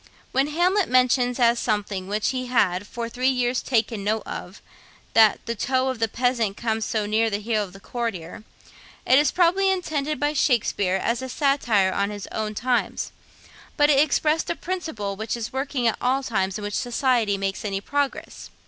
When Hamlet mentions, as something which he had 'for three years taken note of,' that 'the toe of the peasant comes so near the heel of the courtier,' it was probably intended by Shakspeare as a satire on his own times; but it expressed a principle which is working at all times in which society makes any progress.